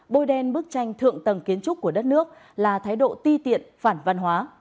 bôi đen bức tranh thượng tầng kiến trúc của đất nước là thái độ ti tiện phản văn hóa